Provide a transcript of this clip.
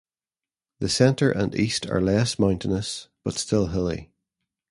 The center and east are less mountainous, but still hilly.